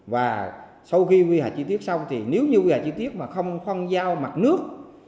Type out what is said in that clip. và sau khi quy hoạch chi tiết xong nếu như quy hoạch chi tiết mà không giao mặt nước